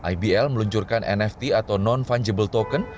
ibl meluncurkan nft atau non fungible token